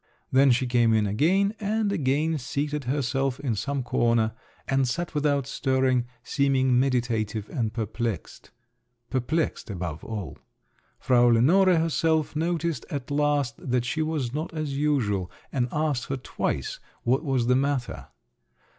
Then she came in again, and again seated herself in some corner, and sat without stirring, seeming meditative and perplexed … perplexed above all. Frau Lenore herself noticed at last, that she was not as usual, and asked her twice what was the matter.